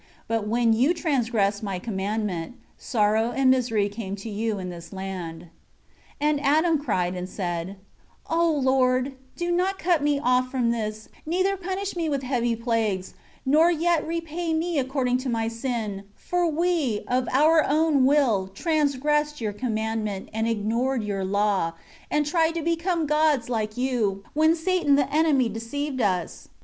But when you transgressed My commandment, sorrow and misery came to you in this land." 5 And Adam cried and said, "O Lord, do not cut me off for this, neither punish me with heavy plagues, nor yet repay me according to my sin; for we, of our own will, transgressed Your commandment, and ignored Your law, and tried to become gods like you, when Satan the enemy deceived us."